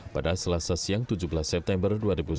pada selasa siang tujuh belas september dua ribu sembilan belas